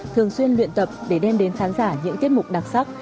thường xuyên luyện tập để đem đến khán giả những tiết mục đặc sắc